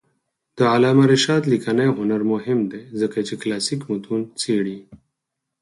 د علامه رشاد لیکنی هنر مهم دی ځکه چې کلاسیک متون څېړي.